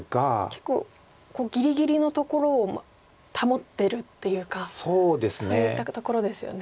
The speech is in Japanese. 結構ぎりぎりのところを保ってるっていうかそういったところですよね。